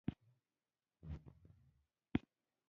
د هر کس انګېزه